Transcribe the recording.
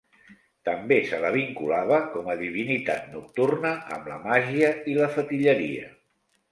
També se la vinculava, com a divinitat nocturna, amb la màgia i la fetilleria.